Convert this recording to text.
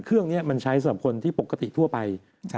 เครื่องนี้มันใช้สำหรับคนที่ปกติทั่วไป